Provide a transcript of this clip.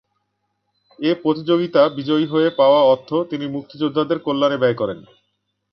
এ প্রতিযোগিতা বিজয়ী হয়ে পাওয়া অর্থ তিনি মুক্তিযোদ্ধাদের কল্যাণে ব্যয় করেন।